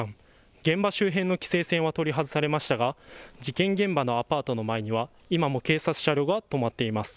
現場周辺の規制線は取り外されましたが事件現場のアパートの前には今も警察車両が止まっています。